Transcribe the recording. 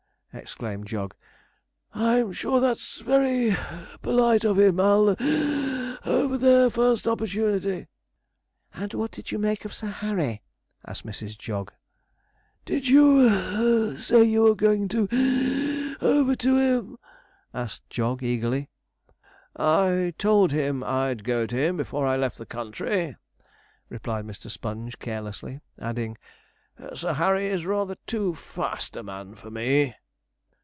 exclaimed Jog; 'I'm sure that's very (puff) polite of him. I'll (wheeze) over there the first opportunity.' 'And what did you make of Sir Harry?' asked Mrs. Jog. 'Did you (puff) say you were going to (wheeze) over to him?' asked Jog eagerly. 'I told him I'd go to him before I left the country,' replied Mr. Sponge carelessly; adding, 'Sir Harry is rather too fast a man for me.'